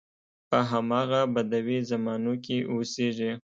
په همغه بدوي زمانو کې اوسېږي.